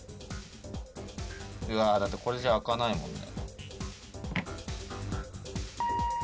うわだってこれじゃ開かないもんね